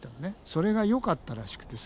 それがよかったらしくてさ。